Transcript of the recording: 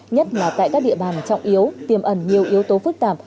nhất là tại các địa bàn trọng yếu tiềm ẩn nhiều yếu tố phức tạp